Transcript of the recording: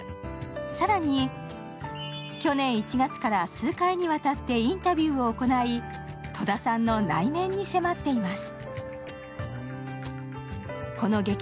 更に、去年１月から数回にわたってインタビューを行い戸田さんの内面に迫っています。